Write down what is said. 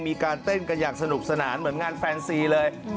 มีการเต้นกันอย่างสนุกสนานเหมือนงานแฟนซีเลย